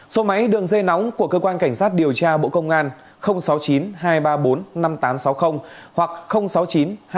số máy đường dây nóng của cơ quan cảnh sát điều tra bộ công an sáu mươi chín hai trăm ba mươi bốn năm nghìn tám trăm sáu mươi hoặc sáu mươi chín hai trăm ba mươi một hai nghìn sáu trăm bảy